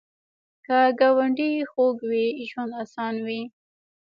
که ګاونډي خوږ وي، ژوند اسان وي